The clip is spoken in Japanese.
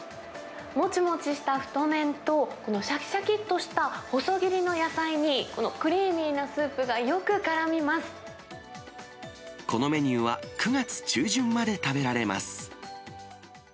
もちもちした太麺と、このしゃきしゃきっとした細切りの野菜に、クリーミーなスープがこのメニューは、９月中旬まで食べられます。